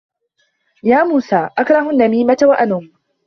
يَا مُوسَى أَكْرَهُ النَّمِيمَةَ وَأَنُمُّ